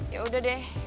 ya udah deh